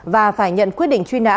và phải nhận quyết định truy nã